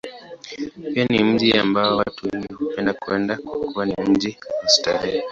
Pia ni mji ambao watu wengi hupenda kwenda, kwa kuwa ni mji wa starehe.